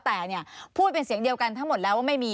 แต่พูดเป็นเสียงเดียวกันทั้งหมดแล้วว่าไม่มี